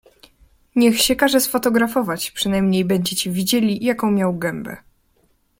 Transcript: "Niech się każe sfotografować, przynajmniej będziecie widzieli, jaką miał gębę."